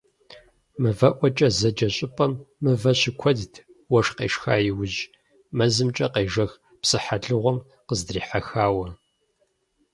«МывэӀуэкӀэ» зэджэ щӀыпӀэм мывэ щыкуэдт, уэшх къешха иужь, мэзымкӀэ къежэх псыхьэлыгъуэм къыздрихьэхауэ.